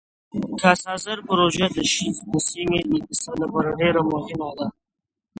کاسا زر پروژه د سیمې د اقتصاد لپاره ډېره مهمه ده.